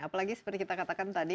apalagi seperti kita katakan tadi